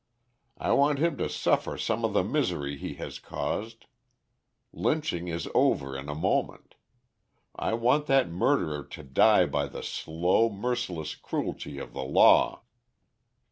I want him to suffer some of the misery he has caused. Lynching is over in a moment. I want that murderer to die by the slow merciless cruelty of the law."